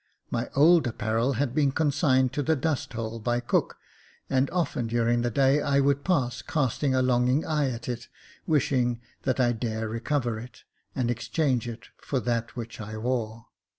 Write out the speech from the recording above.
My old apparel had been consigned to the dust hole by cook, and often during the day would I pass, casting a longing eye at it, wishing that I dare recover it, and exchange it for that which I wore.